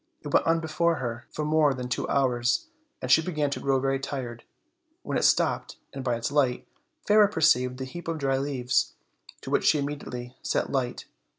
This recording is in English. It went on before her for more than two hours, and she began to grow very tired, when it stopped, and, by its light, Fairer perceived the heap of dry leaves, to which she immediately set light.